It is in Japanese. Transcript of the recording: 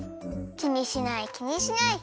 きにしないきにしない！